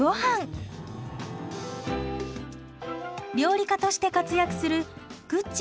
料理家として活躍するぐっち